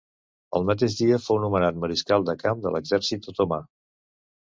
El mateix dia fou nomenat mariscal de camp de l'exèrcit otomà.